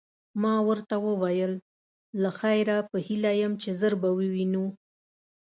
ما ورته وویل: له خیره، په هیله یم چي ژر به ووینو.